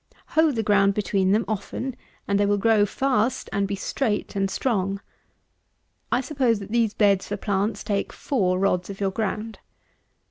Hoe the ground between them often, and they will grow fast and be straight and strong. I suppose that these beds for plants take 4 rods of your ground.